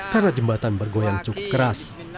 karena jembatan bergoyang cukup keras